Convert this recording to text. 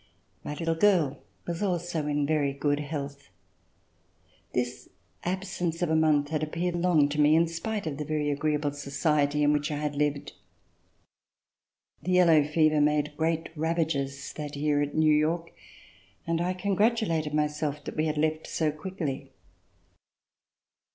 My little girl was also in very good health. This absence of a month had appeared long to me, in spite of the very agreeable society in which I had lived. The yellow fever made great ravages that year at New York, and I congratulated myself that we had left so quickly.